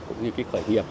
cũng như khởi hiệp